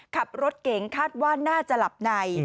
ขับรถเก่งคาดว่าน่าจะหลับใน